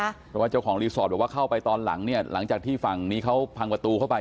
เพราะว่าเจ้าของรีสอร์ทบอกว่าเข้าไปตอนหลังเนี่ยหลังจากที่ฝั่งนี้เขาพังประตูเข้าไป